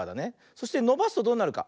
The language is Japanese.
そしてのばすとどうなるか。